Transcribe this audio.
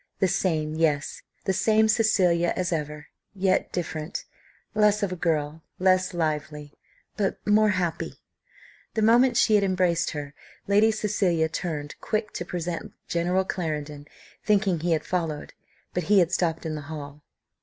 The same, yes, the same Cecilia as ever; yet different: less of a girl, less lively, but more happy. The moment she had embraced her, Lady Cecilia turned quick to present General Clarendon, thinking he had followed, but he had stopped in the hall.